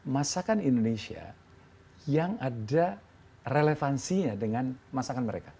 masakan indonesia yang ada relevansinya dengan masakan mereka